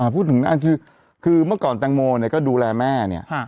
พูดถึงนั่นคือเมื่อก่อนแตงโมเนี่ยก็ดูแลแม่เนี่ย